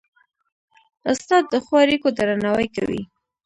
استاد د ښو اړيکو درناوی کوي.